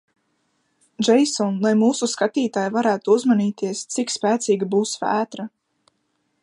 Džeison, lai mūsu skatītāji varētu uzmanīties, cik spēcīga būs vētra?